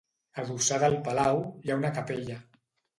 Adossada al palau, hi ha una capella.